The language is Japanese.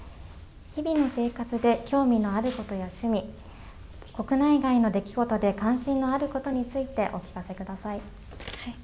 日々の生活で興味のあることや趣味、国内外の出来事で関心のあることについてお聞かせください。